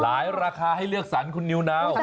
ราคาให้เลือกสรรคุณนิวนาว